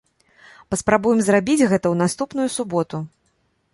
Паспрабуем зрабіць гэта ў наступную суботу!